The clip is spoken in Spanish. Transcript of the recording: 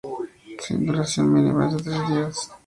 Su duración mínima es de tres días.